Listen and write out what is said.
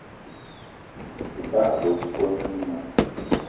Te bagbe koni ma.